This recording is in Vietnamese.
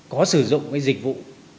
có sử dụng dịch vụ